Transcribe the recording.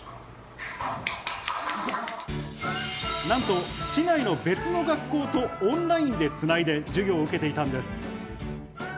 なんと市内の別の学校とオンラインでつないで授業を受けていたんです。